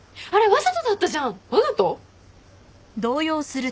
わざと？